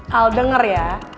hal denger ya